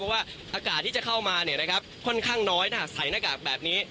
เพราะว่าอากาศที่จะเข้ามาค่อนข้างน้อยถ้าใส่หน้ากากแบบนี้